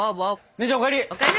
姉ちゃんお帰り！